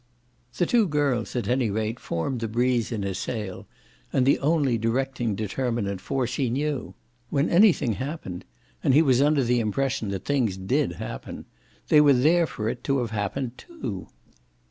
The two girls, at any rate, formed the breeze in his sail and the only directing determinant force he knew; when anything happened and he was under the impression that things DID happen they were there for it to have happened TO.